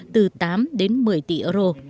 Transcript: từ tám đến một mươi tỷ euro